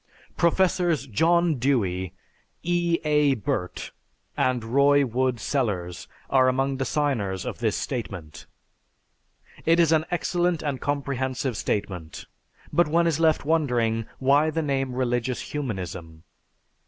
Professors John Dewey, E. A. Burtt, and Roy Wood Sellars are among the signers of this statement. It is an excellent and comprehensive statement, but one is left wondering why the name "religious humanism"?